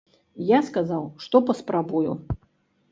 Я сказаў, што паспрабую.